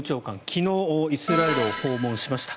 昨日、イスラエルを訪問しました。